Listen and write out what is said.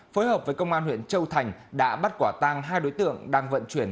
phối hợp với công an huyện châu thành đã bắt quả tang hai đối tượng đang vận chuyển